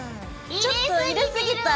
ちょっと入れすぎた！